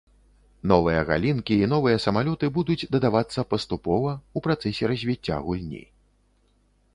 Новыя галінкі і новыя самалёты будуць дадавацца паступова, у працэсе развіцця гульні.